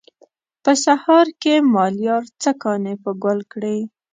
په سهار کې مالیار څه کانې په ګل کړي.